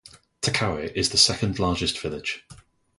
Takaue is the second largest village.